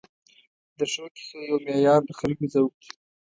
د ښو کیسو یو معیار د خلکو ذوق دی.